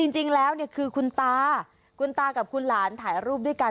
จริงแล้วคือคุณตาคุณตากับคุณหลานถ่ายรูปด้วยกัน